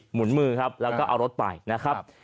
หมุนมือครับแล้วก็เอารถไปนะครับ